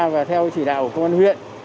và theo chỉ đạo của công an huyện